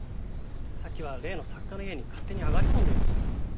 さっきは例の作家の家に勝手に上がり込んでいました。